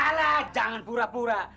alah jangan pura pura